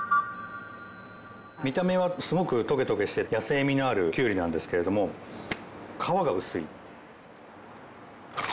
見た目はすごくトゲトゲしてて野性味のあるきゅうりなんですけれども皮が薄い。